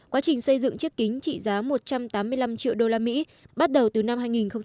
quá trình xây dựng chiếc kính trị giá một trăm tám mươi năm triệu đô la mỹ bắt đầu từ năm hai nghìn một mươi một